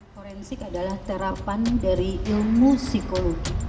forensik adalah terapan dari ilmu psikologi